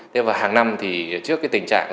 thế và hàng năm thì trước cái tình trạng lưu lưu